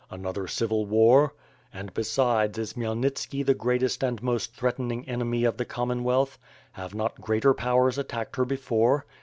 Another civil war? And besides is Khmj elnitski the greatest and most threatening enemy of the Com monwealth? Have not greater powers attacked her before?